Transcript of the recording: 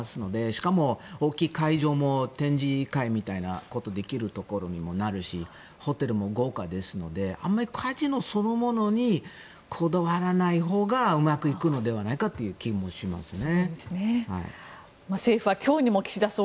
しかも大きい会場も展示会みたいなことができるところにもなるしホテルも豪華ですのであまりカジノそのものにこだわらないほうがうまくいくのではないかという気もしますね。